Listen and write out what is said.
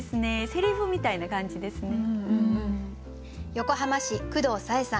セリフみたいな感じですね。